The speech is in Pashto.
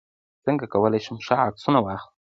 څنګه کولی شم ښه عکسونه واخلم